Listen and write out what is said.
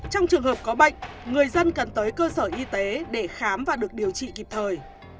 trong trường hợp có bệnh người dân cần tới cơ sở y tế để khám và được điều trị kịp thời